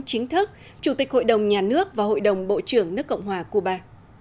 chính thức chủ tịch hội đồng nhà nước và hội đồng bộ trưởng nước cộng hòa cuba